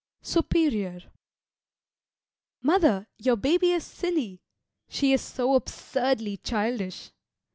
SUPERIOR Mother, your baby is silly! She is so absurdly childish!